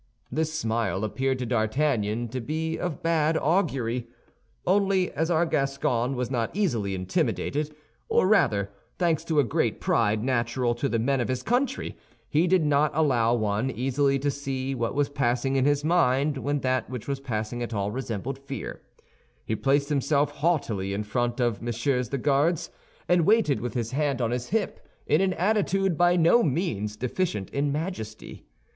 This smile appeared to D'Artagnan to be of bad augury. Only, as our Gascon was not easily intimidated—or rather, thanks to a great pride natural to the men of his country, he did not allow one easily to see what was passing in his mind when that which was passing at all resembled fear—he placed himself haughtily in front of Messieurs the Guards, and waited with his hand on his hip, in an attitude by no means deficient in majesty.